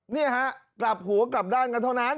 นี่ฮะกลับหัวกลับด้านกันเท่านั้น